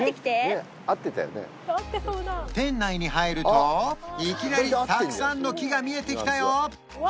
店内に入るといきなりたくさんの木が見えてきたよ